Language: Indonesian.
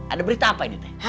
ada berita apa ini teh